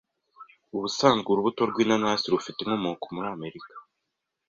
Ubusanzwe urubuto rw’inanasi rufite inkomoko muri amerika